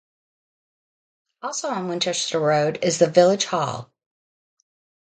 Also on Winchester Road is the Village Hall.